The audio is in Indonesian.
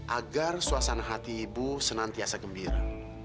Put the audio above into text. agar suasana hati ibu senantiasa gembira